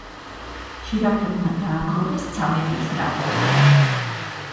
ჟირაფებმა დააგროვეს ცამეტით ნაკლები.